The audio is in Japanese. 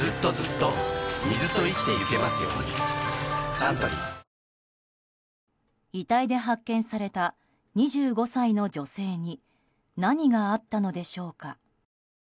サントリー遺体で発見された２５歳の女性に何があったのでしょうか。